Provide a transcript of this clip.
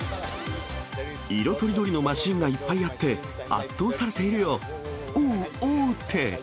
色とりどりのマシンがいっぱいあって、圧倒されているよ。